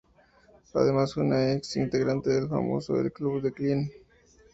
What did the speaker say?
Además fue una ex integrante del famoso "El Club del Clan".